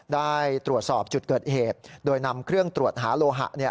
ได้ตรวจสอบจุดเกิดเหตุโดยนำเครื่องตรวจหาโลหะ